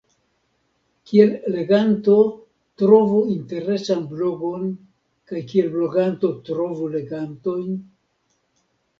Kiel leganto trovu interesan blogon kaj kiel bloganto trovu legantojn?